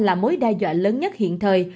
là mối đe dọa lớn nhất hiện thời